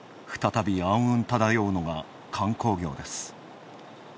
再び暗雲漂うのが観光業です。